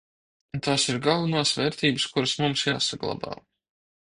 Un tās ir galvenās vērtības, kuras mums jāsaglabā.